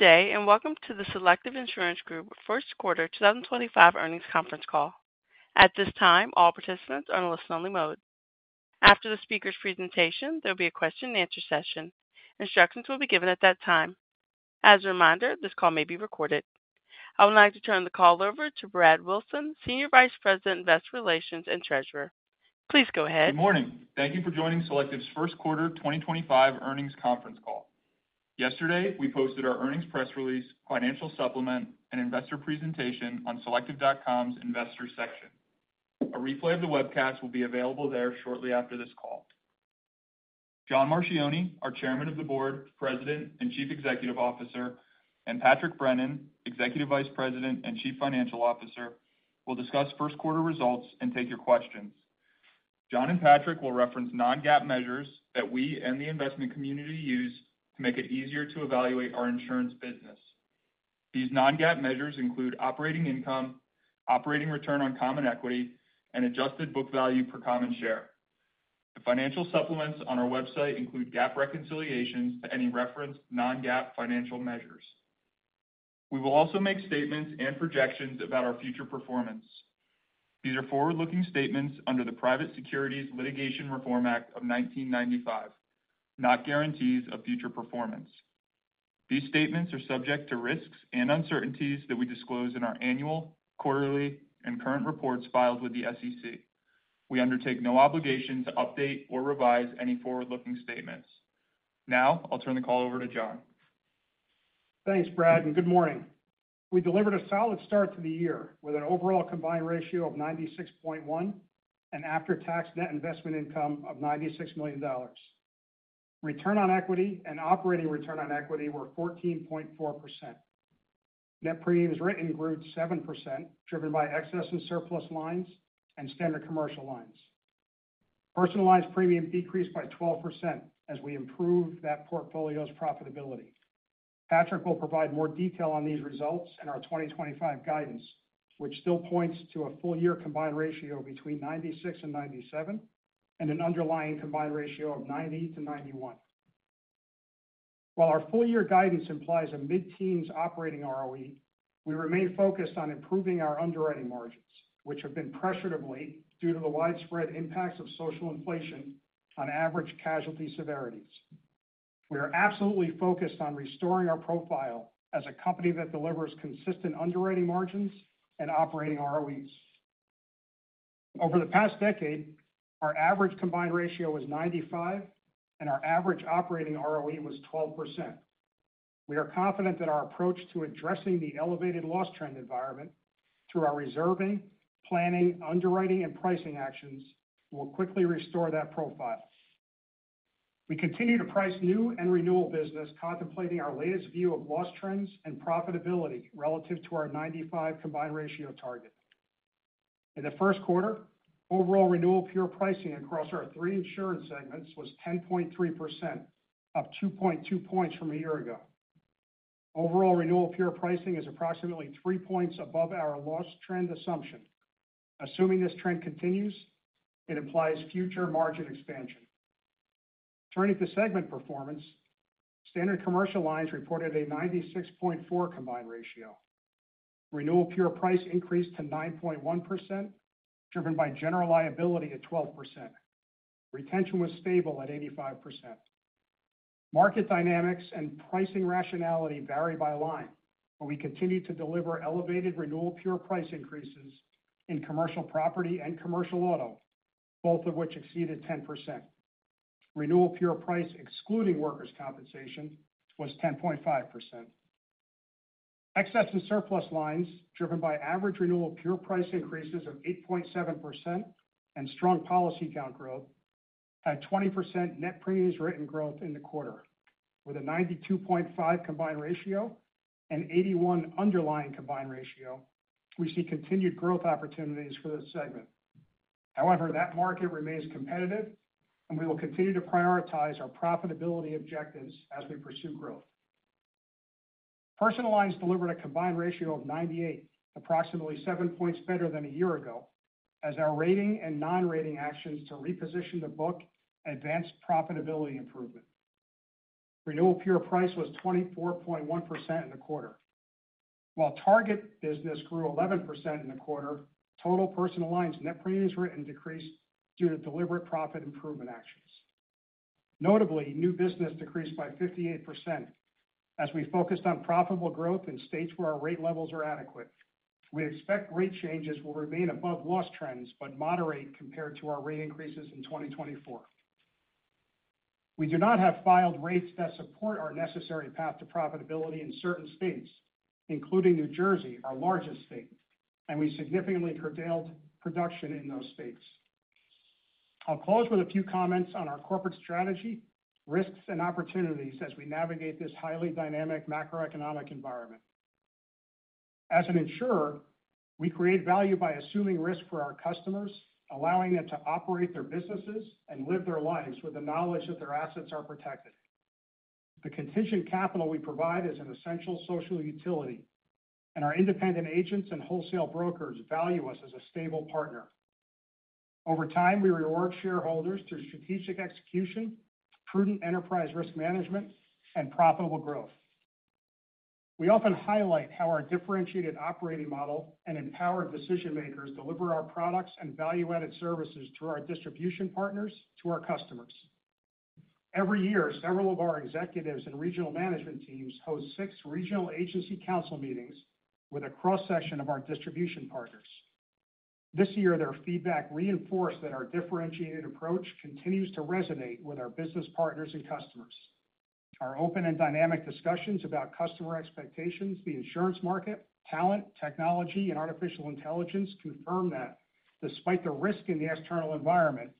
Good day and welcome to the Selective Insurance Group Q1 2025 earnings conference call. At this time, all participants are in a listen-only mode. After the speaker's presentation, there will be a question-and-answer session. Instructions will be given at that time. As a reminder, this call may be recorded. I would like to turn the call over to Brad Wilson, Senior Vice President, Investor Relations and Treasurer. Please go ahead. Good morning. Thank you for joining Selective's Q1 2025 earnings conference call. Yesterday, we posted our earnings press release, financial supplement, and investor presentation on selective.com's Investors section. A replay of the webcast will be available there shortly after this call. John Marchioni, our Chairman of the Board, President and Chief Executive Officer and Patrick Brennan, Executive Vice President and Chief Financial Officer, will discuss first-quarter results and take your questions. John and Patrick will reference non-GAAP measures that we and the investment community use to make it easier to evaluate our insurance business. These non-GAAP measures include operating income, operating return on common equity, and adjusted book value per common share. The financial supplements on our website include GAAP reconciliations to any referenced non-GAAP financial measures. We will also make statements and projections about our future performance. These are forward-looking statements under the Private Securities Litigation Reform Act of 1995, not guarantees of future performance. These statements are subject to risks and uncertainties that we disclose in our annual, quarterly, and current reports filed with the SEC. We undertake no obligation to update or revise any forward-looking statements. Now, I'll turn the call over to John. Thanks, Brad, and good morning. We delivered a solid start to the year with an overall combined ratio of 96.1 and after-tax net investment income of $96 million. Return on equity and operating return on equity were 14.4%. Net premiums written grew 7%, driven by excess and surplus lines and standard commercial lines. Personal lines premium decreased by 12% as we improved that portfolio's profitability. Patrick will provide more detail on these results in our 2025 guidance, which still points to a full-year combined ratio between 96% and 97% and an underlying combined ratio of 90% to 91%. While our full-year guidance implies a mid-teens operating ROE, we remain focused on improving our underwriting margins, which have been pressured of late due to the widespread impacts of social inflation on average casualty severities. We are absolutely focused on restoring our profile as a company that delivers consistent underwriting margins and operating ROEs. Over the past decade, our average combined ratio was 95%, and our average operating ROE was 12%. We are confident that our approach to addressing the elevated loss trend environment through our reserving, planning, underwriting, and pricing actions will quickly restore that profile. We continue to price new and renewal business, contemplating our latest view of loss trends and profitability relative to our 95% combined ratio target. In the Q1, overall renewal pure pricing across our three insurance segments was 10.3%, up 2.2 points from a year ago. Overall renewal pure pricing is approximately 3 points above our loss trend assumption. Assuming this trend continues, it implies future margin expansion. Turning to segment performance, standard commercial lines reported a 96.4% combined ratio. Renewal pure price increased to 9.1%, driven by general liability at 12%. Retention was stable at 85%. Market dynamics and pricing rationality vary by line, but we continue to deliver elevated renewal pure price increases in commercial property and commercial auto, both of which exceeded 10%. Renewal pure price excluding workers' compensation was 10.5%. Excess and surplus lines, driven by average renewal pure price increases of 8.7% and strong policy count growth, had 20% net premiums written growth in the quarter. With a 92.5% combined ratio and 81 underlying combined ratio, we see continued growth opportunities for this segment. However, that market remains competitive, and we will continue to prioritize our profitability objectives as we pursue growth. Personal lines delivered a combined ratio of 98%, approximately seven points better than a year ago, as our rating and non-rating actions to reposition the book advanced profitability improvement. Renewal pure price was 24.1% in the quarter. While target business grew 11% in the quarter, total personal lines net premiums written decreased due to deliberate profit improvement actions. Notably, new business decreased by 58% as we focused on profitable growth in states where our rate levels are adequate. We expect rate changes will remain above loss trends but moderate compared to our rate increases in 2024. We do not have filed rates that support our necessary path to profitability in certain states, including New Jersey, our largest state, and we significantly curtailed production in those states. I'll close with a few comments on our corporate strategy, risks, and opportunities as we navigate this highly dynamic macroeconomic environment. As an insurer, we create value by assuming risk for our customers, allowing them to operate their businesses and live their lives with the knowledge that their assets are protected. The contingent capital we provide is an essential social utility, and our independent agents and wholesale brokers value us as a stable partner. Over time, we reward shareholders through strategic execution, prudent enterprise risk management, and profitable growth. We often highlight how our differentiated operating model and empowered decision-makers deliver our products and value-added services through our distribution partners to our customers. Every year, several of our executives and regional management teams host six regional agency council meetings with a cross-section of our distribution partners. This year, their feedback reinforced that our differentiated approach continues to resonate with our business partners and customers. Our open and dynamic discussions about customer expectations, the insurance market, talent, technology, and artificial intelligence confirm that, despite the risk in the external environment,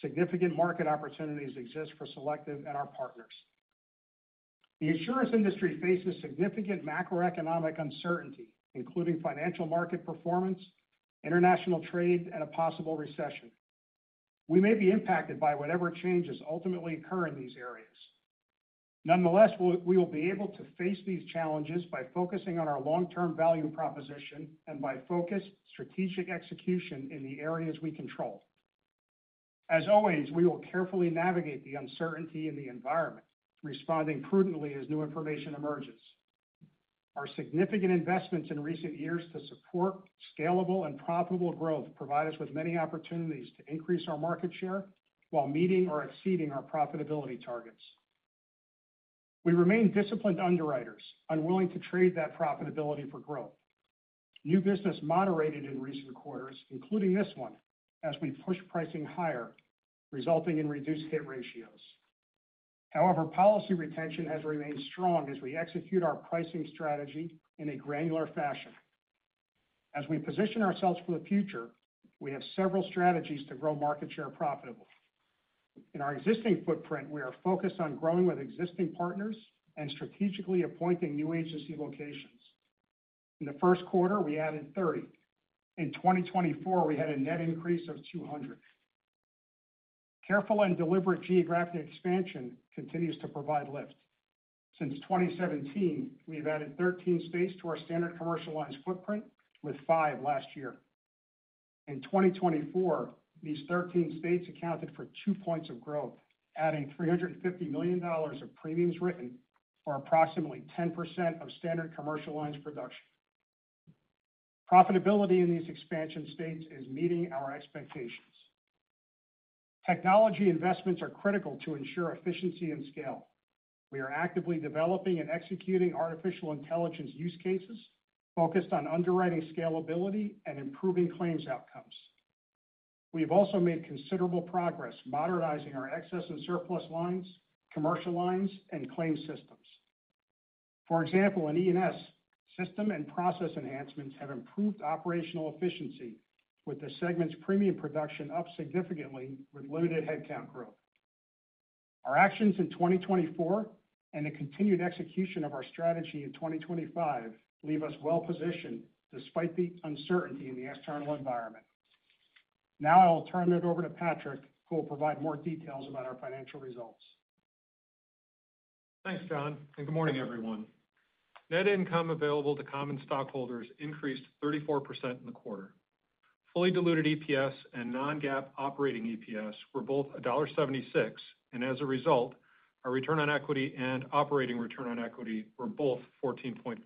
significant market opportunities exist for Selective and our partners. The insurance industry faces significant macroeconomic uncertainty, including financial market performance, international trade, and a possible recession. We may be impacted by whatever changes ultimately occur in these areas. Nonetheless, we will be able to face these challenges by focusing on our long-term value proposition and by focused strategic execution in the areas we control. As always, we will carefully navigate the uncertainty in the environment, responding prudently as new information emerges. Our significant investments in recent years to support scalable and profitable growth provide us with many opportunities to increase our market share while meeting or exceeding our profitability targets. We remain disciplined underwriters, unwilling to trade that profitability for growth. New business moderated in recent quarters, including this one, as we push pricing higher, resulting in reduced hit ratios. However, policy retention has remained strong as we execute our pricing strategy in a granular fashion. As we position ourselves for the future, we have several strategies to grow market share profitably. In our existing footprint, we are focused on growing with existing partners and strategically appointing new agency locations. In the Q1, we added 30. In 2024, we had a net increase of 200. Careful and deliberate geographic expansion continues to provide lift. Since 2017, we have added 13 states to our Standard Commercial Lines footprint, with five last year. In 2024, these 13 states accounted for 2 points of growth, adding $350 million of premiums written for approximately 10% of Standard Commercial Lines production. Profitability in these expansion states is meeting our expectations. Technology investments are critical to ensure efficiency and scale. We are actively developing and executing artificial intelligence use cases focused on underwriting scalability and improving claims outcomes. We have also made considerable progress modernizing our Excess and Surplus Lines, Commercial Lines, and Claim systems. For example, in E&S system and process enhancements have improved operational efficiency, with the segment's premium production up significantly with limited headcount growth. Our actions in 2024 and the continued execution of our strategy in 2025 leave us well-positioned despite the uncertainty in the external environment. Now, I will turn it over to Patrick, who will provide more details about our financial results. Thanks, John. Good morning, everyone. Net income available to common stockholders increased 34% in the quarter. Fully diluted EPS and non-GAAP operating EPS were both $1.76, and as a result, our return on equity and operating return on equity were both 14.4%.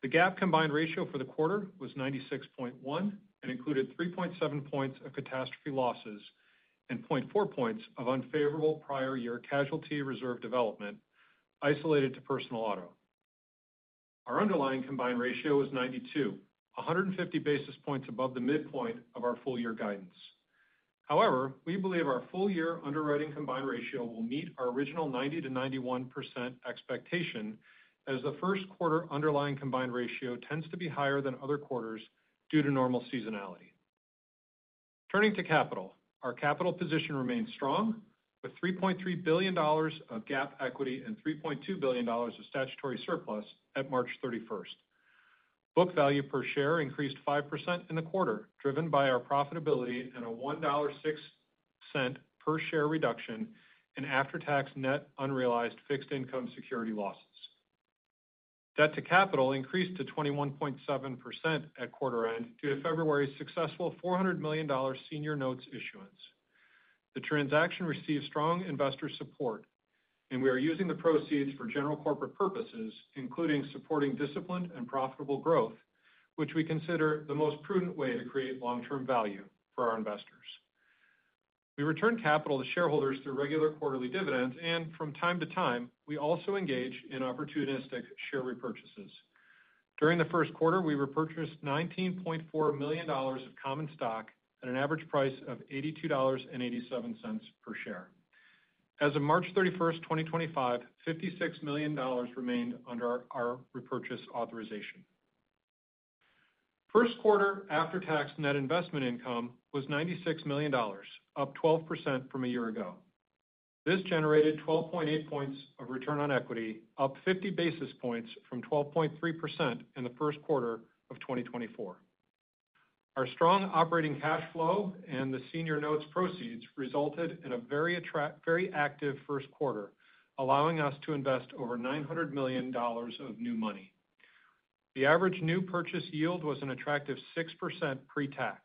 The GAAP combined ratio for the quarter was 96.1 and included 3.7 points of catastrophe losses and 0.4 points of unfavorable prior year casualty reserve development isolated to personal auto. Our underlying combined ratio was 92%, 150 basis points above the midpoint of our full-year guidance. However, we believe our full-year underwriting combined ratio will meet our original 90% to 91% expectation as the Q1 underlying combined ratio tends to be higher than other quarters due to normal seasonality. Turning to capital, our capital position remains strong, with $3.3 billion of GAAP equity and $3.2 billion of statutory surplus at 31 March 2025. Book value per share increased 5% in the quarter, driven by our profitability and a $1.06 per share reduction in after-tax net unrealized fixed income security losses. Debt to capital increased to 21.7% at quarter end due to February's successful $400 million senior notes issuance. The transaction received strong investor support, and we are using the proceeds for general corporate purposes, including supporting disciplined and profitable growth, which we consider the most prudent way to create long-term value for our investors. We return capital to shareholders through regular quarterly dividends, and from time to time, we also engage in opportunistic share repurchases. During the Q1, we repurchased $19.4 million of common stock at an average price of $82.87 per share. As of 31 March 2025, $56 million remained under our repurchase authorization. Q1 after-tax net investment income was $96 million, up 12% from a year ago. This generated 12.8 points of return on equity, up 50 basis points from 12.3% in the Q1 of 2024. Our strong operating cash flow and the senior notes proceeds resulted in a very active Q1, allowing us to invest over $900 million of new money. The average new purchase yield was an attractive 6% pre-tax.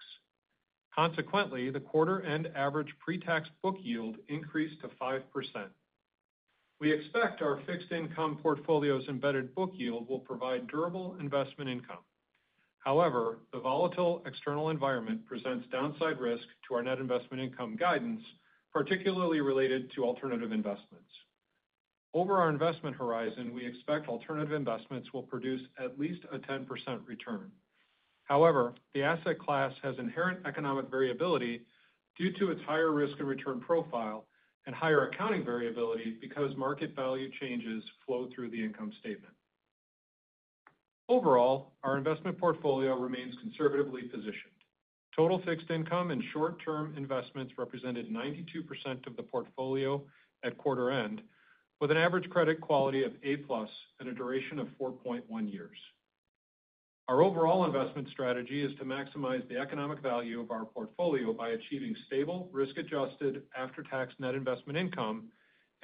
Consequently, the quarter-end average pre-tax book yield increased to 5%. We expect our fixed income portfolio's embedded book yield will provide durable investment income. However, the volatile external environment presents downside risk to our net investment income guidance, particularly related to alternative investments. Over our investment horizon, we expect alternative investments will produce at least a 10% return. However, the asset class has inherent economic variability due to its higher risk and return profile and higher accounting variability because market value changes flow through the income statement. Overall, our investment portfolio remains conservatively positioned. Total fixed income and short-term investments represented 92% of the portfolio at quarter end, with an average credit quality of A-plus and a duration of 4.1 years. Our overall investment strategy is to maximize the economic value of our portfolio by achieving stable, risk-adjusted after-tax net investment income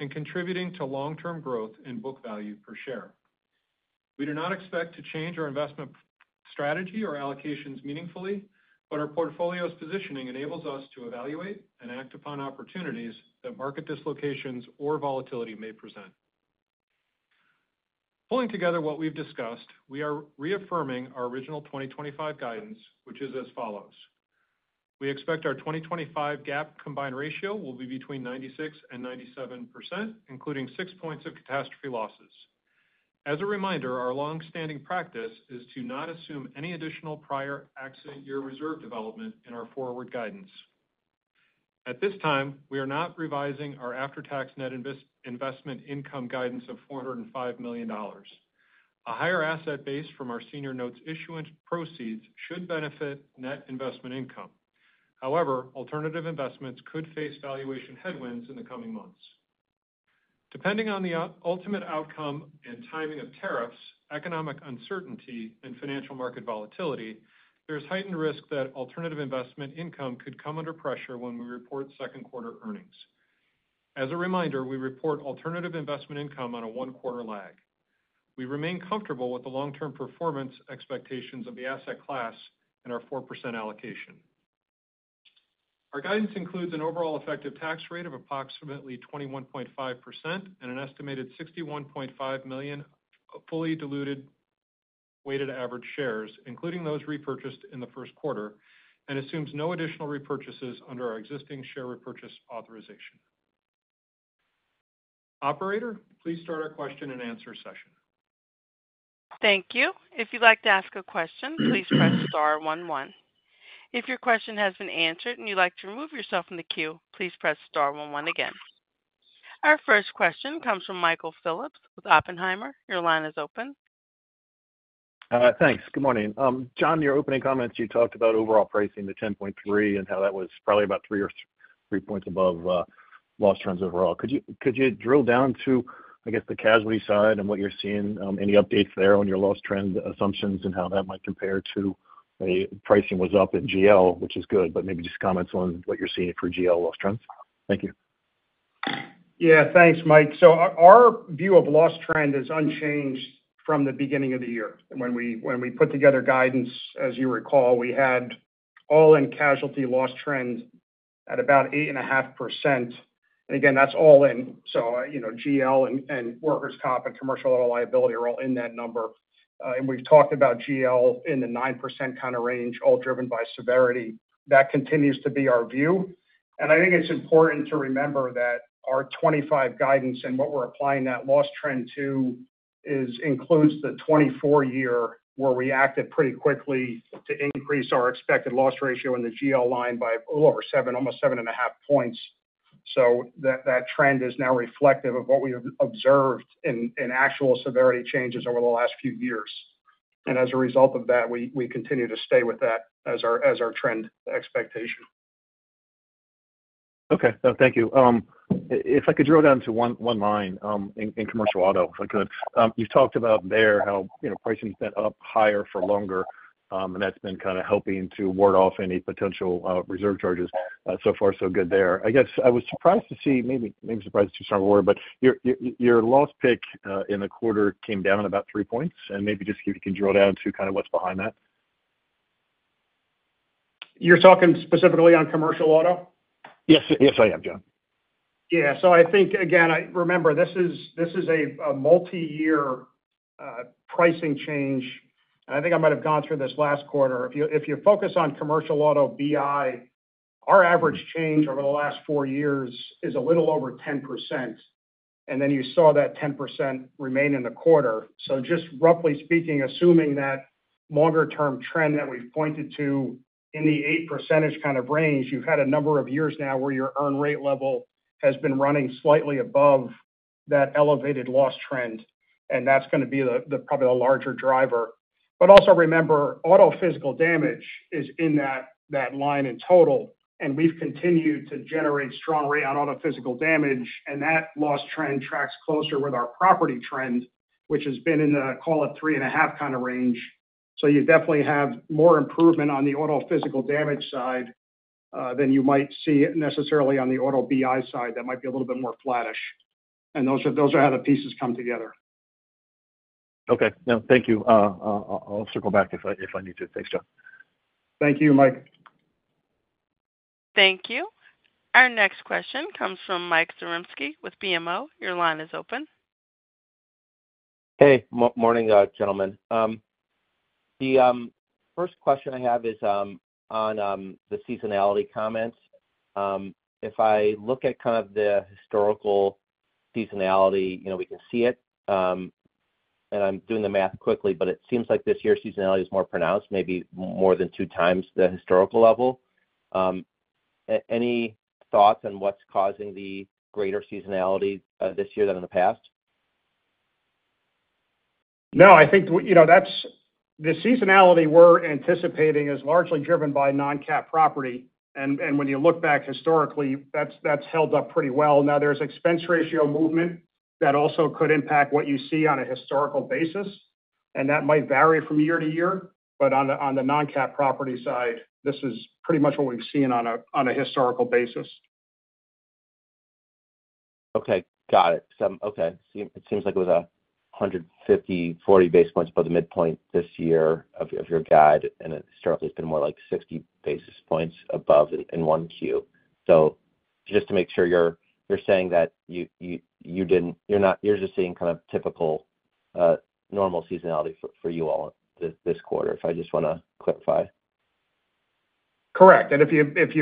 and contributing to long-term growth in book value per share. We do not expect to change our investment strategy or allocations meaningfully, but our portfolio's positioning enables us to evaluate and act upon opportunities that market dislocations or volatility may present. Pulling together what we've discussed, we are reaffirming our original 2025 guidance, which is as follows. We expect our 2025 GAAP combined ratio will be between 96% to 97%, including 6 points of catastrophe losses. As a reminder, our longstanding practice is to not assume any additional prior accident year reserve development in our forward guidance. At this time, we are not revising our after-tax net investment income guidance of $405 million. A higher asset base from our senior notes issuance proceeds should benefit net investment income. However, alternative investments could face valuation headwinds in the coming months. Depending on the ultimate outcome and timing of tariffs, economic uncertainty, and financial market volatility, there is heightened risk that alternative investment income could come under pressure when we report Q2 earnings. As a reminder, we report alternative investment income on a one-quarter lag. We remain comfortable with the long-term performance expectations of the asset class and our 4% allocation. Our guidance includes an overall effective tax rate of approximately 21.5% and an estimated 61.5 million fully diluted weighted average shares, including those repurchased in the Q1, and assumes no additional repurchases under our existing share repurchase authorization. Operator, please start our question and answer session. Thank you. If you'd like to ask a question, please press star one one. If your question has been answered and you'd like to remove yourself from the queue, please press star one one again. Our first question comes from Michael Phillips with Oppenheimer. Your line is open. Thanks. Good morning. John, in your opening comments, you talked about overall pricing, the 10.3%, and how that was probably about three or three points above loss trends overall. Could you drill down to, I guess, the casualty side and what you're seeing, any updates there on your loss trend assumptions and how that might compare to a pricing was up in GL, which is good, but maybe just comments on what you're seeing for GL loss trends. Thank you. Yeah, thanks, Mike. Our view of loss trend is unchanged from the beginning of the year. When we put together guidance, as you recall, we had all-in casualty loss trend at about 8.5%. Again, that's all-in. GL and workers' comp and commercial auto liability are all in that number. We've talked about GL in the 9% kind of range, all driven by severity. That continues to be our view. I think it's important to remember that our 2025 guidance and what we're applying that loss trend to includes the 2024 year where we acted pretty quickly to increase our expected loss ratio in the GL line by a little over 7, almost 7.5 points. That trend is now reflective of what we've observed in actual severity changes over the last few years. As a result of that, we continue to stay with that as our trend expectation. Okay. Thank you. If I could drill down to one line in commercial auto, if I could. You've talked about there how pricing's been up higher for longer, and that's been kind of helping to ward off any potential reserve charges. So far, so good there. I guess I was surprised to see, maybe surprised too strong a word, but your loss pick in the quarter came down about three points. And maybe just if you can drill down to kind of what's behind that. You're talking specifically on Commercial Auto? Yes, I am, John. Yeah. I think, again, remember, this is a multi-year pricing change. I think I might have gone through this last quarter. If you focus on commercial auto BI, our average change over the last four years is a little over 10%. You saw that 10% remain in the quarter. Just roughly speaking, assuming that longer-term trend that we've pointed to in the 8% percentage kind of range, you've had a number of years now where your earned rate level has been running slightly above that elevated loss trend. That's going to be probably the larger driver. Also remember, auto physical damage is in that line in total. We've continued to generate strong rate on auto physical damage. That loss trend tracks closer with our property trend, which has been in the, call it, 3.5% kind of range. You definitely have more improvement on the auto physical damage side than you might see necessarily on the auto BI side. That might be a little bit more flattish. And those are how the pieces come together. Okay. Thank you. I'll circle back if I need to. Thanks, John. Thank you, Mike. Thank you. Our next question comes from Mike Zaremski with BMO. Your line is open. Hey, morning, gentlemen. The first question I have is on the seasonality comments. If I look at kind of the historical seasonality, we can see it. And I'm doing the math quickly, but it seems like this year's seasonality is more pronounced, maybe more than two times the historical level. Any thoughts on what's causing the greater seasonality this year than in the past? No, I think the seasonality we're anticipating is largely driven by non-cat property. When you look back historically, that's held up pretty well. Now, there's expense ratio movement that also could impact what you see on a historical basis. That might vary from year to year. On the non-cat property side, this is pretty much what we've seen on a historical basis. Okay. Got it. Okay. It seems like it was 150, 40 basis points above the midpoint this year of your guide. And historically, it's been more like 60 basis points above in one Q. Just to make sure you're saying that you're just seeing kind of typical normal seasonality for you all this quarter, if I just want to clarify. Correct. If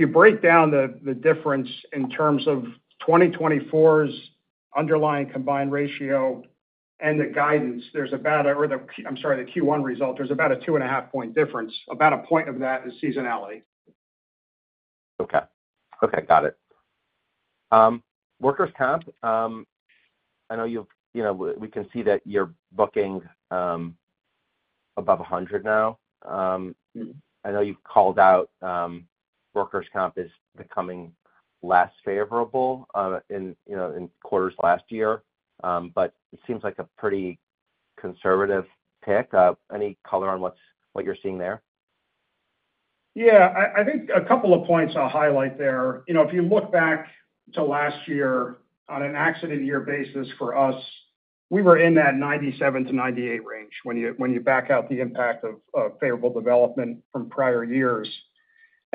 you break down the difference in terms of 2024's underlying combined ratio and the guidance, there's about a—I'm sorry, the Q1 result, there's about a 2.5-point difference. About a point of that is seasonality. Okay. Okay. Got it. Workers' Comp, I know we can see that you're booking above 100 now. I know you've called out Workers' Compensation as becoming less favorable in quarters last year, but it seems like a pretty conservative pick. Any color on what you're seeing there? Yeah. I think a couple of points I'll highlight there. If you look back to last year on an accident year basis for us, we were in that 97% to 98% range when you back out the impact of favorable development from prior years.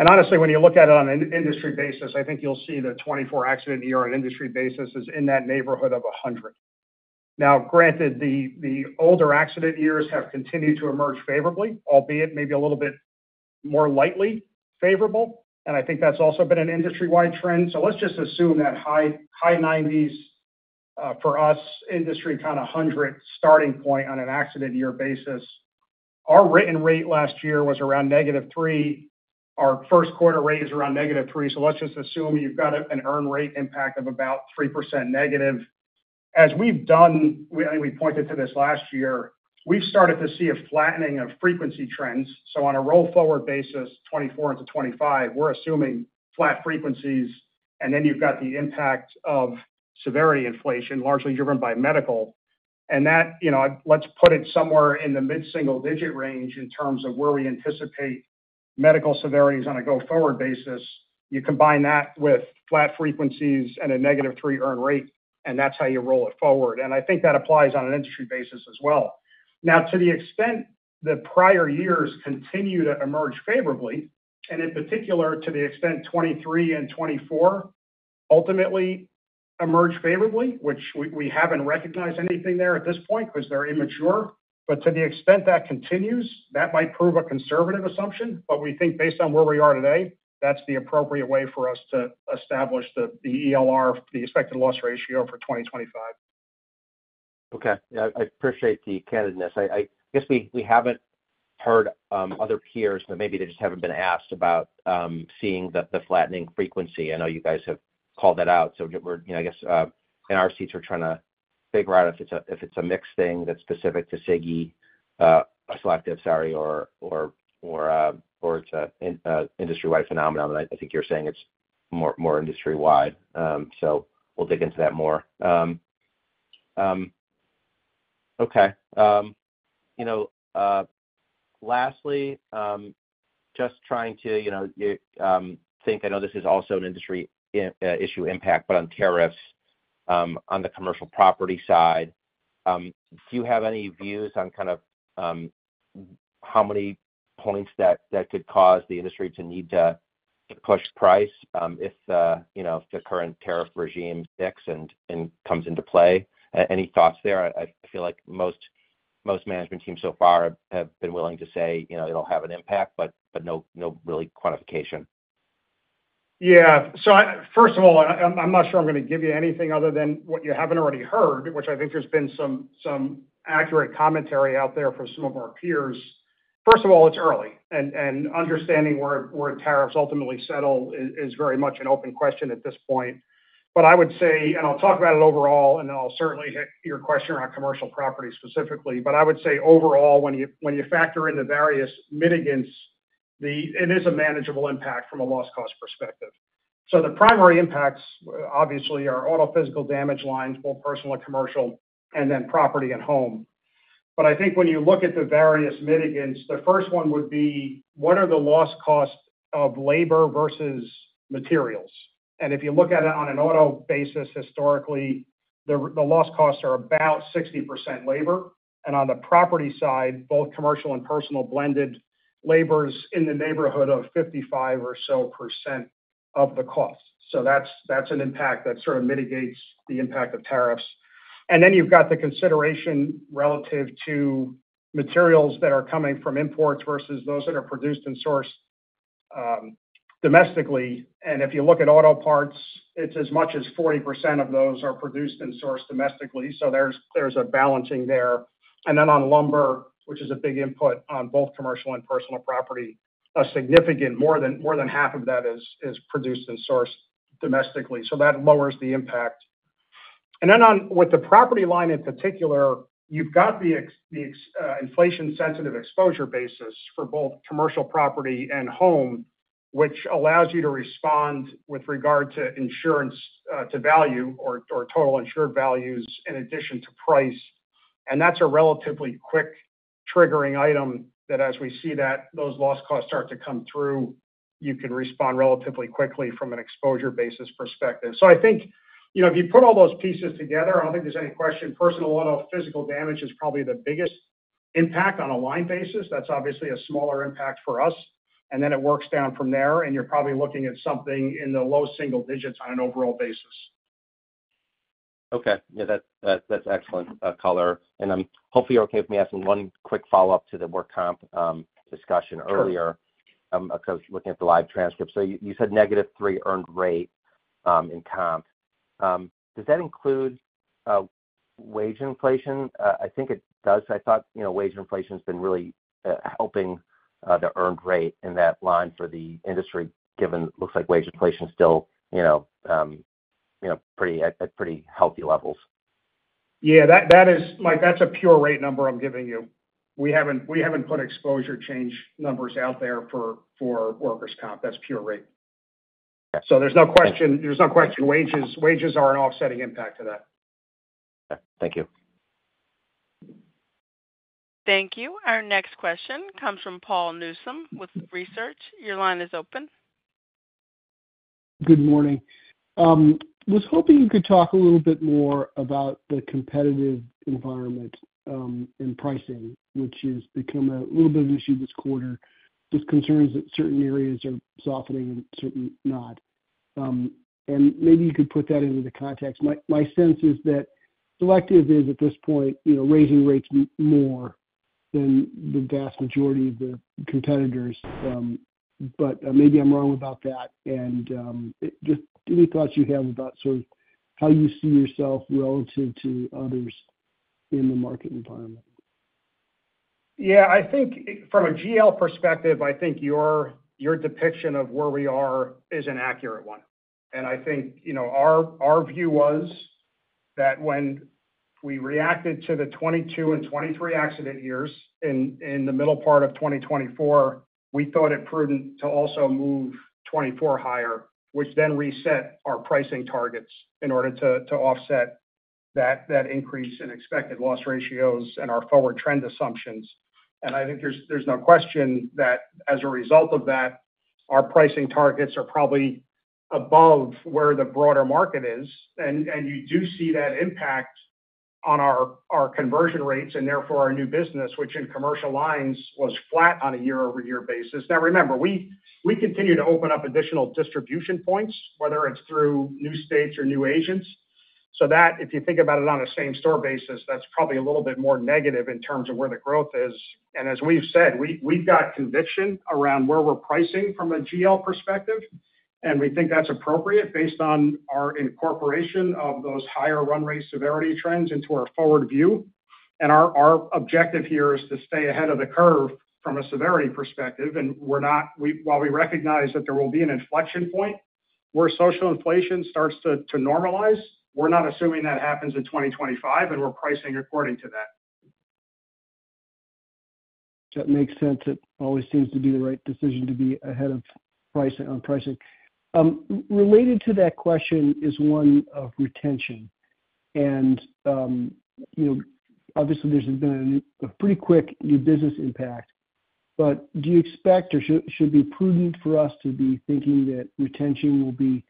Honestly, when you look at it on an industry basis, I think you'll see the 2024 accident year on an industry basis is in that neighborhood of 100%. Now, granted, the older accident years have continued to emerge favorably, albeit maybe a little bit more lightly favorable. I think that's also been an industry-wide trend. Let's just assume that high 90s for us, industry kind of 100 starting point on an accident year basis. Our written rate last year was around -3%. Our Q1 rate is around -3%. Let's just assume you've got an earned rate impact of about 3% negative. As we've done, and we pointed to this last year, we've started to see a flattening of frequency trends. On a roll-forward basis, 2024 into 2025, we're assuming flat frequencies. You've got the impact of severity inflation, largely driven by medical. Let's put it somewhere in the mid-single-digit range in terms of where we anticipate medical severities on a go-forward basis. You combine that with flat frequencies and a negative 3% earned rate, and that's how you roll it forward. I think that applies on an industry basis as well. Now, to the extent that prior years continue to emerge favorably, and in particular to the extent 2023 and 2024 ultimately emerge favorably, which we haven't recognized anything there at this point because they're immature, to the extent that continues, that might prove a conservative assumption. We think based on where we are today, that's the appropriate way for us to establish the ELR, the expected loss ratio for 2025. Okay. I appreciate the candidness. I guess we have not heard other peers, but maybe they just have not been asked about seeing the flattening frequency. I know you guys have called that out. I guess in our seats, we are trying to figure out if it is a mix thing that is specific to SIGI, a Selective, sorry, or it is an industry-wide phenomenon. I think you are saying it is more industry-wide. We will dig into that more. Okay. Lastly, just trying to think, I know this is also an industry issue impact, but on tariffs on the commercial property side, do you have any views on kind of how many points that could cause the industry to need to push price if the current tariff regime sticks and comes into play? Any thoughts there? I feel like most management teams so far have been willing to say it'll have an impact, but no really quantification. Yeah. First of all, I'm not sure I'm going to give you anything other than what you haven't already heard, which I think there's been some accurate commentary out there from some of our peers. First of all, it's early. Understanding where tariffs ultimately settle is very much an open question at this point. I would say, and I'll talk about it overall, and I'll certainly hit your question around commercial property specifically, I would say overall, when you factor in the various mitigants, it is a manageable impact from a loss cost perspective. The primary impacts, obviously, are auto physical damage lines, both personal and commercial, and then property and home. I think when you look at the various mitigants, the first one would be, what are the loss costs of labor versus materials? If you look at it on an auto basis, historically, the loss costs are about 60% labor. On the property side, both commercial and personal blended labor is in the neighborhood of 55% or so of the cost. That is an impact that sort of mitigates the impact of tariffs. You have the consideration relative to materials that are coming from imports versus those that are produced and sourced domestically. If you look at auto parts, as much as 40% of those are produced and sourced domestically, so there is a balancing there. On lumber, which is a big input on both commercial and personal property, significantly more than half of that is produced and sourced domestically. That lowers the impact. With the property line in particular, you've got the inflation-sensitive exposure basis for both commercial property and home, which allows you to respond with regard to insurance to value or total insured values in addition to price. That's a relatively quick triggering item that as we see that those loss costs start to come through, you can respond relatively quickly from an exposure basis perspective. I think if you put all those pieces together, I don't think there's any question. Personal auto physical damage is probably the biggest impact on a line basis. That's obviously a smaller impact for us. It works down from there, and you're probably looking at something in the low single digits on an overall basis. Okay. Yeah, that's excellent color. Hopefully, you're okay with me asking one quick follow-up to the work comp discussion earlier because looking at the live transcript. You said -3% earned rate in comp. Does that include wage inflation? I think it does. I thought wage inflation has been really helping the earned rate in that line for the industry, given it looks like wage inflation is still at pretty healthy levels. Yeah. That's a pure rate number I'm giving you. We haven't put exposure change numbers out there for workers' comp. That's pure rate. There's no question. Wages are an offsetting impact to that. Okay. Thank you. Thank you. Our next question comes from Paul Newsome with Research. Your line is open. Good morning. Was hoping you could talk a little bit more about the competitive environment and pricing, which has become a little bit of an issue this quarter. Just concerns that certain areas are softening and certain not. Maybe you could put that into the context. My sense is that Selective is at this point raising rates more than the vast majority of the competitors. Maybe I'm wrong about that. Just any thoughts you have about sort of how you see yourself relative to others in the market environment? Yeah. From a GL perspective, I think your depiction of where we are is an accurate one. I think our view was that when we reacted to the 2022 and 2023 accident years in the middle part of 2024, we thought it prudent to also move 2024 higher, which then reset our pricing targets in order to offset that increase in expected loss ratios and our forward trend assumptions. I think there is no question that as a result of that, our pricing targets are probably above where the broader market is. You do see that impact on our conversion rates and therefore our new business, which in commercial lines was flat on a year-over-year basis. Now, remember, we continue to open up additional distribution points, whether it is through new states or new agents. If you think about it on a same-store basis, that's probably a little bit more negative in terms of where the growth is. As we've said, we've got conviction around where we're pricing from a GL perspective. We think that's appropriate based on our incorporation of those higher run rate severity trends into our forward view. Our objective here is to stay ahead of the curve from a severity perspective. While we recognize that there will be an inflection point where social inflation starts to normalize, we're not assuming that happens in 2025, and we're pricing according to that. That makes sense. It always seems to be the right decision to be ahead of pricing. Related to that question is one of retention. Obviously, there's been a pretty quick new business impact. Do you expect or should it be prudent for us to be thinking that retention will be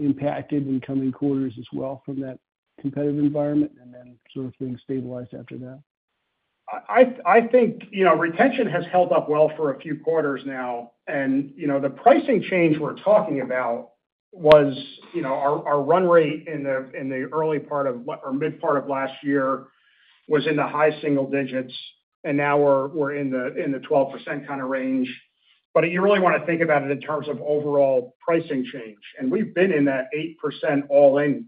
impacted in coming quarters as well from that competitive environment and then sort of things stabilize after that? I think retention has held up well for a few quarters now. The pricing change we're talking about was our run rate in the early part of or mid-part of last year was in the high single digits. Now we're in the 12% kind of range. You really want to think about it in terms of overall pricing change. We've been in that 8% all in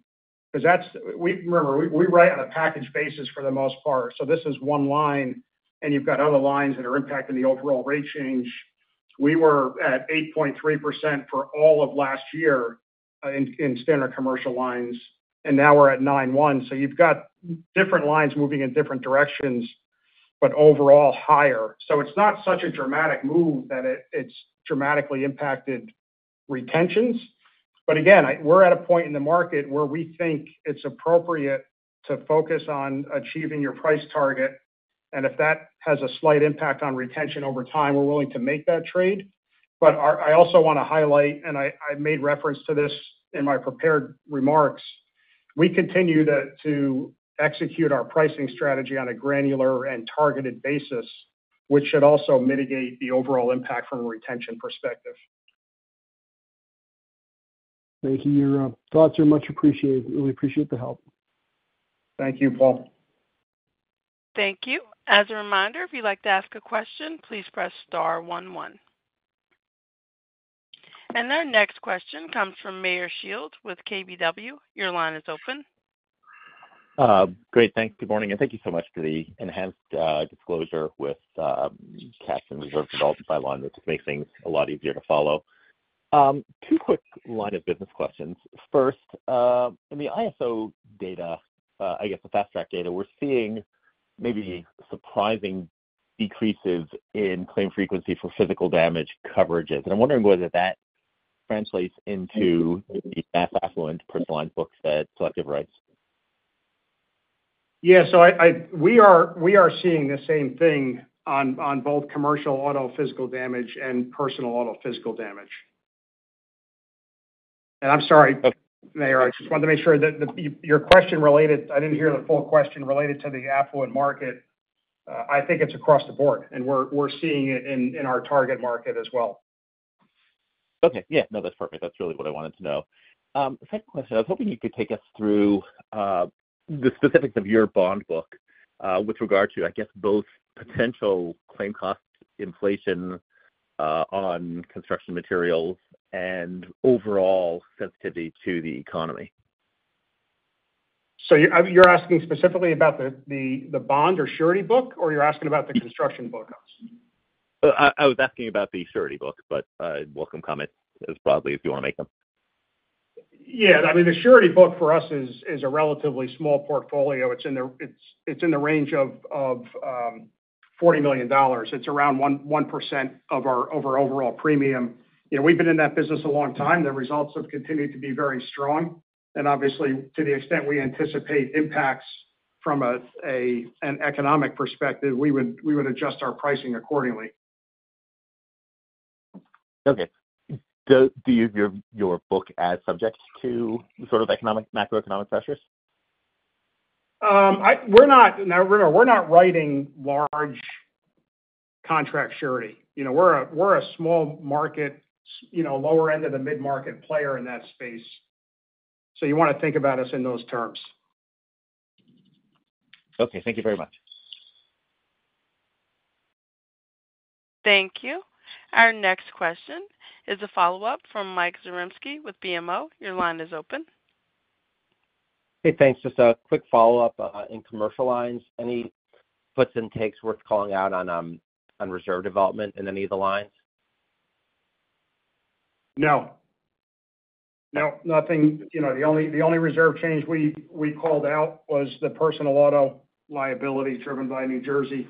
because remember, we write on a package basis for the most part. This is one line, and you've got other lines that are impacting the overall rate change. We were at 8.3% for all of last year in standard commercial lines. Now we're at 9.1%. You've got different lines moving in different directions, but overall higher. It's not such a dramatic move that it's dramatically impacted retentions. Again, we're at a point in the market where we think it's appropriate to focus on achieving your price target. If that has a slight impact on retention over time, we're willing to make that trade. I also want to highlight, and I made reference to this in my prepared remarks, we continue to execute our pricing strategy on a granular and targeted basis, which should also mitigate the overall impact from a retention perspective. Thank you. Your thoughts are much appreciated. Really appreciate the help. Thank you, Paul. Thank you. As a reminder, if you'd like to ask a question, please press star 11. Our next question comes from Meyer Shields with KBW. Your line is open. Great. Thanks. Good morning. Thank you so much for the enhanced disclosure with cats and reserves developed by line, this makes things a lot easier to follow. Two quick line of business questions. First, in the ISO data, I guess the fast track data, we're seeing maybe surprising decreases in claim frequency for physical damage coverages. I'm wondering whether that translates into the mass affluent personalized books that Selective writes. Yeah. We are seeing the same thing on both commercial auto physical damage and personal auto physical damage. I'm sorry, Mayor. I just wanted to make sure that your question related—I didn't hear the full question related to the affluent market. I think it's across the board, and we're seeing it in our target market as well. Okay. Yeah. No, that's perfect. That's really what I wanted to know. Second question, I was hoping you could take us through the specifics of your bond book with regard to, I guess, both potential claim cost inflation on construction materials and overall sensitivity to the economy. You're asking specifically about the bond or surety book, or you're asking about the construction book? I was asking about the surety book, but welcome comments as broadly as you want to make them. Yeah. I mean, the surety book for us is a relatively small portfolio. It's in the range of $40 million. It's around 1% of our overall premium. We've been in that business a long time. The results have continued to be very strong. Obviously, to the extent we anticipate impacts from an economic perspective, we would adjust our pricing accordingly. Okay. Do you view your book as subject to sort of macroeconomic pressures? Now, we're not writing large contract surety. We're a small market, lower end of the mid-market player in that space. You want to think about us in those terms. Okay. Thank you very much. Thank you. Our next question is a follow-up from Mike Zaremski with BMO. Your line is open. Hey, thanks. Just a quick follow-up in commercial lines. Any puts and takes worth calling out on reserve development in any of the lines? No. Nope. The only reserve change we called out was the personal auto liability driven by New Jersey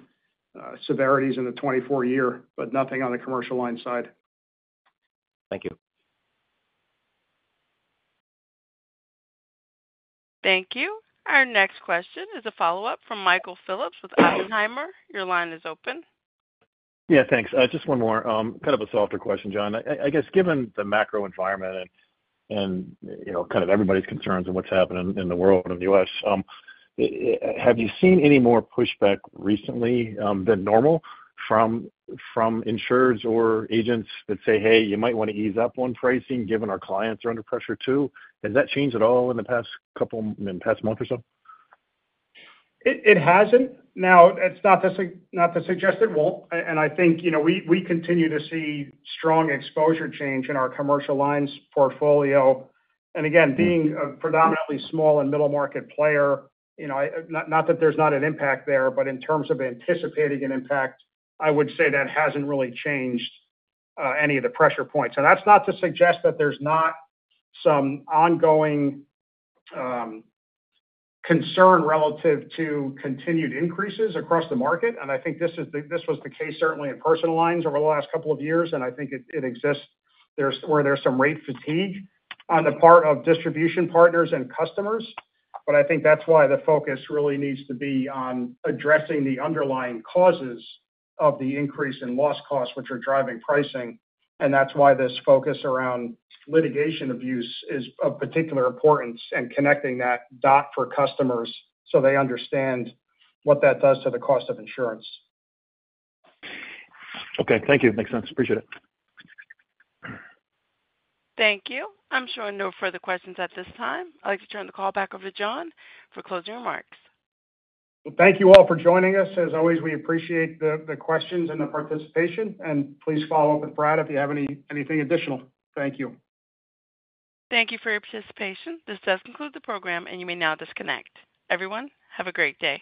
severities in the 2024 year, but nothing on the commercial line side. Thank you. Thank you. Our next question is a follow-up from Michael Phillips with Oppenheimer. Your line is open. Yeah. Thanks. Just one more. Kind of a softer question, John. I guess given the macro environment and kind of everybody's concerns and what's happening in the world and the U.S., have you seen any more pushback recently than normal from insurers or agents that say, "Hey, you might want to ease up on pricing given our clients are under pressure too"? Has that changed at all in the past month or so? It hasn't. Now, it's not to suggest it won't. I think we continue to see strong exposure change in our commercial lines portfolio. Again, being a predominantly small and middle market player, not that there's not an impact there, but in terms of anticipating an impact, I would say that hasn't really changed any of the pressure points. That's not to suggest that there's not some ongoing concern relative to continued increases across the market. I think this was the case certainly in personal lines over the last couple of years. I think it exists where there's some rate fatigue on the part of distribution partners and customers. I think that's why the focus really needs to be on addressing the underlying causes of the increase in loss costs, which are driving pricing. This focus around litigation abuse is of particular importance and connecting that dot for customers so they understand what that does to the cost of insurance. Okay. Thank you. Makes sense. Appreciate it. Thank you. I'm sure no further questions at this time. I'd like to turn the call back over to John for closing remarks. Thank you all for joining us. As always, we appreciate the questions and the participation. Please follow up with Brad if you have anything additional. Thank you. Thank you for your participation. This does conclude the program, and you may now disconnect. Everyone, have a great day.